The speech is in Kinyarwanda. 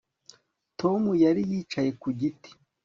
Tom yari yicaye ku giti